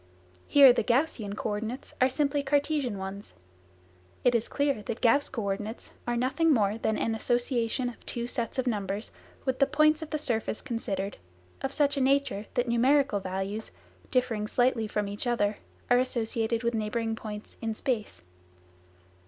Here the Gaussian coordinates are samply Cartesian ones. It is clear that Gauss co ordinates are nothing more than an association of two sets of numbers with the points of the surface considered, of such a nature that numerical values differing very slightly from each other are associated with neighbouring points " in space."